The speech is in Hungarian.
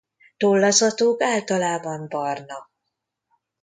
Tollazatuk általában barna.